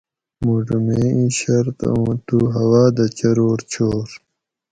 موٹو میں ایں شرط اوُں تو ھوا دہ چرور چھور